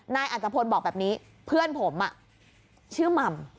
นายอาจารย์พนธ์บอกแบบนี้เพื่อนผมอ่ะชื่อม่ำ